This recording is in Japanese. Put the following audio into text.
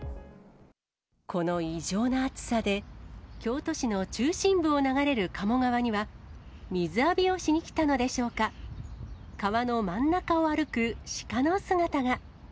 この異常な暑さで、京都市の中心部を流れる賀茂川には、水浴びをしに来たのでしょうか、川の真ん中を歩く鹿の姿が。